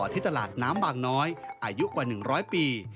ที่ตลาดน้ำบางน้อยอายุกว่า๑๐๐ปี